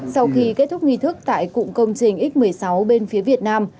sau khi kết thúc nghi thức tại cụm công trình x một mươi sáu bên phía việt nam